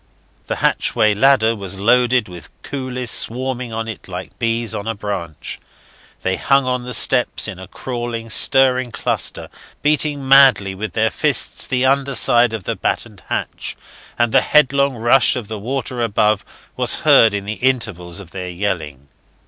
The hatchway ladder was loaded with coolies swarming on it like bees on a branch. They hung on the steps in a crawling, stirring cluster, beating madly with their fists the underside of the battened hatch, and the headlong rush of the water above was heard in the intervals of their yelling.